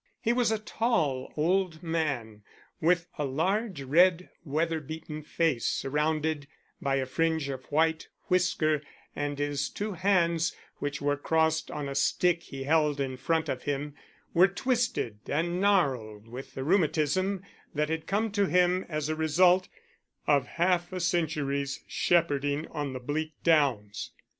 He was a tall old man, with a large red weather beaten face surrounded by a fringe of white whisker, and his two hands, which were crossed on a stick he held in front of him, were twisted and gnarled with the rheumatism that had come to him as a result of half a century's shepherding on the bleak downs.